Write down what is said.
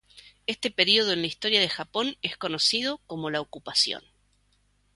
Este período en la historia de Japón es conocido como la Ocupación.